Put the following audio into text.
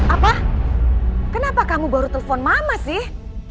apa kenapa kamu baru telepon mama sih